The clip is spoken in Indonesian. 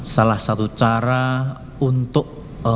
salah satu cara untuk